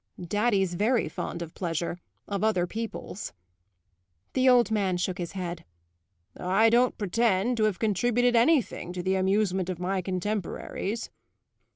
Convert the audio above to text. "Daddy's very fond of pleasure of other people's." The old man shook his head. "I don't pretend to have contributed anything to the amusement of my contemporaries."